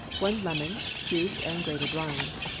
1 lemon—juice and grated rind.